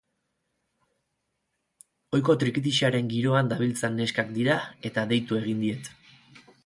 Ohiko trikitixaren giroan dabiltzan neskak dira, eta deitu egin diet.